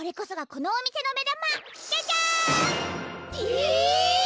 え！